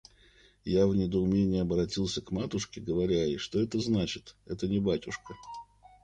Я в недоумении оборотился к матушке, говоря ей: «Что это значит? Это не батюшка.